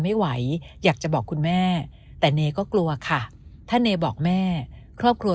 ไม่ไหวอยากจะบอกคุณแม่แต่เนก็กลัวค่ะถ้าเนบอกแม่ครอบครัว